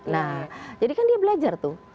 nah jadi kan dia belajar tuh